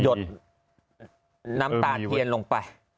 อยดหน้าตาเทียนลงไป